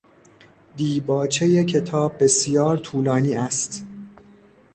دیباچهی کتاب بسیار طولانی است.